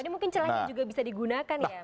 mungkin celahnya juga bisa digunakan ya